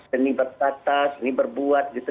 seni bertata seni berbuat gitu